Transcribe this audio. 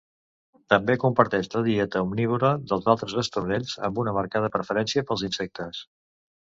També comparteix la dieta omnívora dels altres estornells, amb una marcada preferència pels insectes.